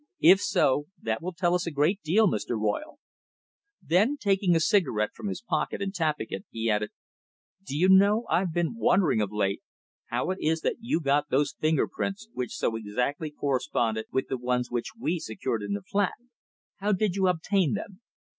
If so, that will tell us a great deal, Mr. Royle." Then, taking a cigarette from his pocket and tapping it, he added, "Do you know, I've been wondering of late how it is that you got those finger prints which so exactly corresponded with the ones which we secured in the flat. How did you obtain them?"